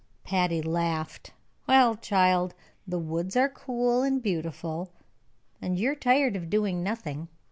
Patty laughed. "Well, child, the woods are cool and beautiful, and you are tired of doing nothing.